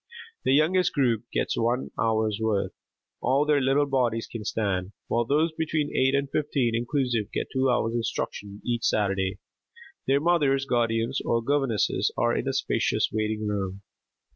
The youngest group gets one hour's work, all their little bodies can stand, while those between eight and fifteen inclusive get two hours instruction each Saturday. Their mothers, guardians or governesses are in a spacious waiting room.